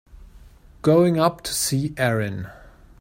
Going up to see Erin.